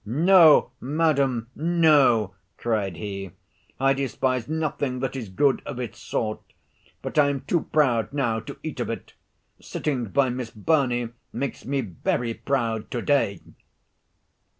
"No, madam, no," cried he; "I despise nothing that is good of its sort; but I am too proud now to eat of it. Sitting by Miss Burney makes me very proud to day!"